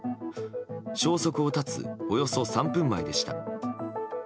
消息を絶つおよそ３分前でした。